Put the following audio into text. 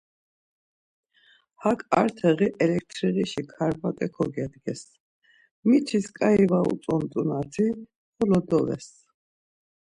Hak ar teği elektriğişi karmat̆e kogedges, mitis k̆ai var utzont̆unati, xolo doves.